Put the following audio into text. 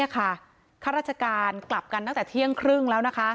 ค่ารัจกาลกลับกันตั้งแต่เที่ยงครึ่ง